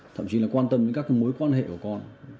thậm chí là quan tâm đến các mối quan hệ của con